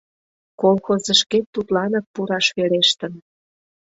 Колхозышкет тудланак пураш верештын.